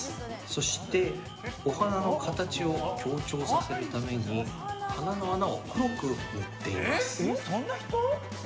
そしてお鼻の形を強調させるために鼻の穴を黒く塗っています。